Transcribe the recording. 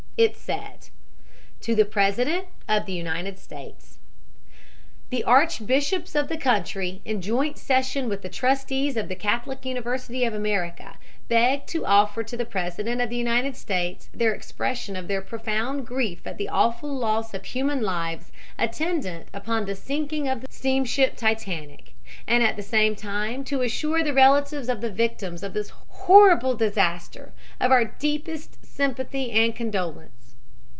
It said: "TO THE PRESIDENT OF THE UNITED STATES: "The archbishops of the country, in joint session with the trustees of the Catholic University of America, beg to offer to the President of the United States their expression of their profound grief at the awful loss of human lives attendant upon the sinking of the steamship Titanic, and at the same time to assure the relatives of the victims of this horrible disaster of our deepest sympathy and condolence.